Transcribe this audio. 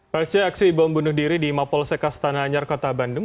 pasca aksi bom bunuh diri di mapolsek astana anyar kota bandung